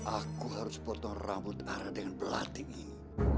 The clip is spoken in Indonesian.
aku harus potong rambut arah dengan pelatih ini